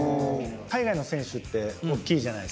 海外の選手っておっきいじゃないすか。